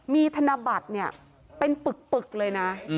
มีธนบัตรเนี่ยเป็นปึกเลยนะ